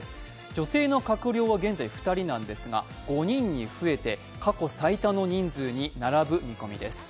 女性の閣僚は現在２人なんですが、５人に増えて過去最多の人数に並ぶ見込みです。